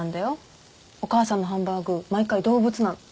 お母さんのハンバーグ毎回動物なの。